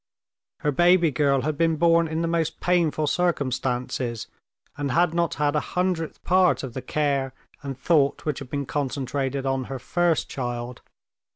Her baby girl had been born in the most painful circumstances and had not had a hundredth part of the care and thought which had been concentrated on her first child.